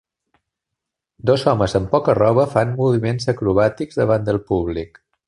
Dos homes amb poca roba fan moviments acrobàtics davant del públic